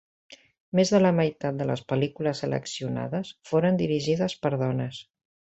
Més de la meitat de les pel·lícules seleccionades foren dirigides per dones.